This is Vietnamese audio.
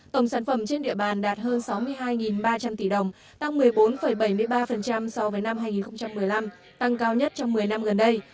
tổng sản phẩm trên địa bàn đạt hơn sáu mươi hai ba trăm linh tỷ đồng tăng một mươi bốn bảy mươi ba so với năm hai nghìn một mươi năm tăng cao nhất trong một mươi năm gần đây